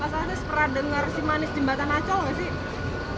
mas anies pernah dengar si manis jembatan ancol gak sih